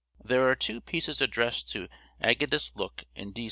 There are two pieces addressed to Ægidius Luyck in D.